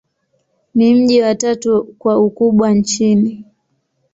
Ni mji wa tatu kwa ukubwa nchini.